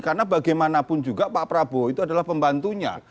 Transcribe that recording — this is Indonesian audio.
karena bagaimanapun juga pak prabowo itu adalah pembantunya